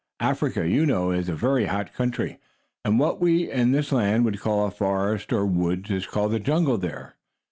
Africa, you know, is a very hot country, and what we, in this land, would call a forest, or woods, is called a "jungle" there.